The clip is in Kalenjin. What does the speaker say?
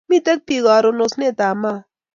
Miten pik karon osnet ab Mau